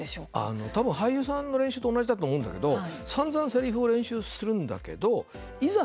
たぶん俳優さんの練習と同じだと思うんだけど、さんざんせりふを練習するんだけどいざ